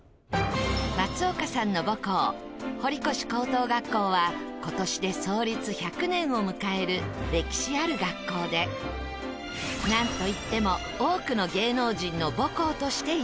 松岡さんの母校堀越高等学校は今年で創立１００年を迎える歴史ある学校でなんといっても多くの芸能人の母校として有名。